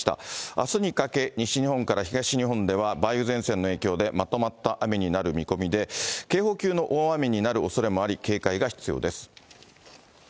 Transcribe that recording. あすにかけ、西日本から東日本では、梅雨前線の影響でまとまった雨になる見込みで、警報級の大雨になるおそれもあり、警戒が必要です。